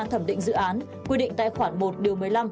thẩm định dự án quy định tại khoản một đường một mươi năm